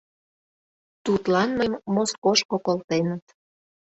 Тудлан мыйым Москошко колтеныт.